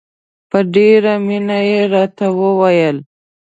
په ډېره مینه یې راته وویل.